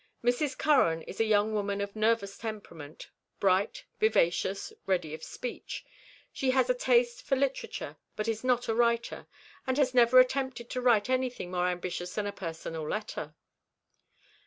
Mrs. Curran is a young woman of nervous temperament, bright, vivacious, ready of speech. She has a taste for literature, but is not a writer, and has never attempted to write anything more ambitious than a personal letter.